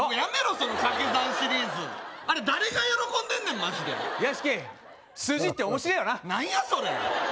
その掛け算シリーズあれ誰が喜んでんねんマジで屋敷数字って面白えよな何やそれ！